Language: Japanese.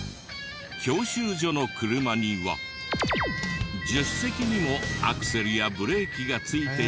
教習所の車には助手席にもアクセルやブレーキがついているので。